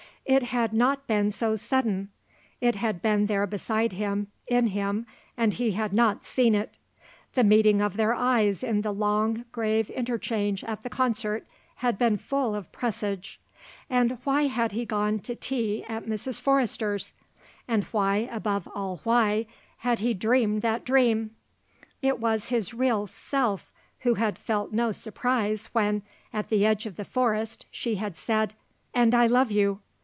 It had not been so sudden. It had been there beside him, in him; and he had not seen it. The meeting of their eyes in the long, grave interchange at the concert had been full of presage. And why had he gone to tea at Mrs. Forrester's? And why, above all why, had he dreamed that dream? It was his real self who had felt no surprise when, at the edge of the forest, she had said: "And I love you."